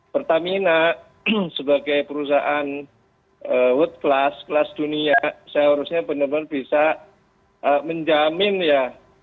pertamina sebagai perusahaan world class kelas dunia saya harusnya benar benar bisa menjamin ya